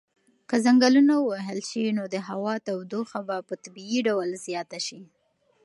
که ځنګلونه ووهل شي نو د هوا تودوخه به په طبیعي ډول زیاته شي.